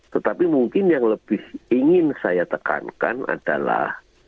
tetapi mungkin yang lebih ingin saya tekankan adalah